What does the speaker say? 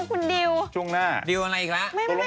คุณดิวดิวอะไรอีกแล้ว